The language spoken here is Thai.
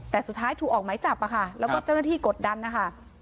แต่สุดท้ายถูกออกไหมจับค่ะแล้วก็เจ้าหน้าที่กดดันนะคะ